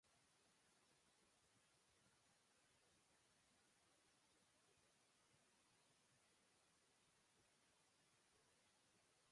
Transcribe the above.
পৃথিবীর পৃষ্ঠের তাপমাত্রা পার্থক্য চাপের পার্থক্য এর কারণেও হয়ে থাকে।